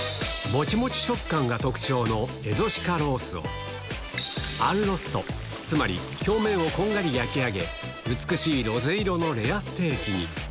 もちもち食感が特徴のエゾシカロースをアッロスト、つまり、表面をこんがり焼き上げ、美しいロゼ色のレアステーキに。